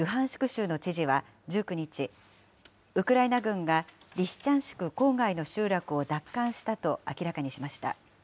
州の知事は１９日、ウクライナ軍がリシチャンシク郊外の集落を奪還したと明らかにしました。